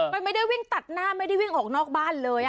มันไม่ได้วิ่งตัดหน้าไม่ได้วิ่งออกนอกบ้านเลย